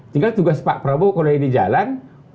tinggal tugas pak prabowo kalau ini jalan